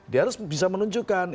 dia harus bisa menunjukkan